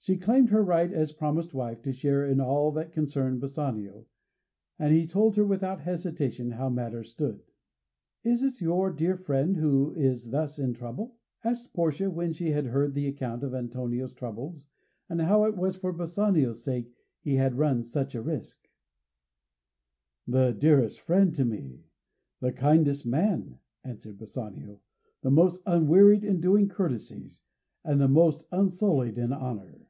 She claimed her right as promised wife to share in all that concerned Bassanio, and he told her without hesitation how matters stood. "Is it your dear friend who is thus in trouble?" asked Portia, when she had heard the account of Antonio's troubles, and how it was for Bassanio's sake he had run such a risk. "The dearest friend to me, the kindest man!" answered Bassanio, "the most unwearied in doing courtesies, and the most unsullied in honour."